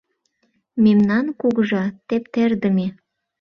— Мемнан кугыжа тептердыме.